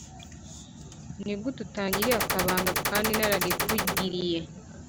Ni gute utangiriye akabanga kandi nararikugiriye